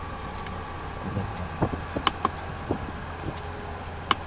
لا أزال راغبة في أن أنجب أطفالا.